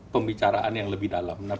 pembicaraan yang lebih dalam